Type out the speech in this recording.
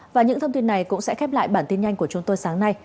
và những thông tin này cũng sẽ khép lại bản tin nhanh của chúng tôi sáng nay